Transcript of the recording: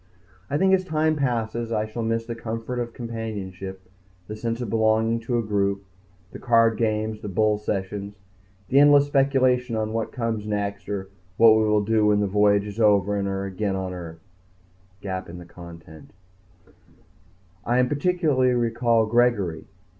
I think as time passes I shall miss the comfort of companionship, the sense of belonging to a group, the card games, the bull sessions, the endless speculation on what comes next, or what we will do when the voyage is over and we are again on Earth ...... I particularly recall Gregory.